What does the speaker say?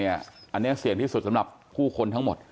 อันนี้เสี่ยงที่สุดสำหรับผู้คนทั้งหมด